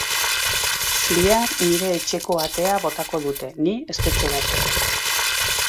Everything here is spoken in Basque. Bihar nire etxeko atea botako dute, ni espetxeratzeko.